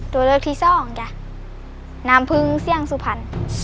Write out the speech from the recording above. ตัวเลือกที่ซ่อของแกน้ำพึ่งเสียงสุพรรค์